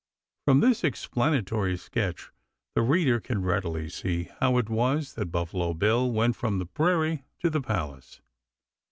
From this explanatory sketch the reader can readily see how it was that Buffalo Bill went from the prairie to the palace.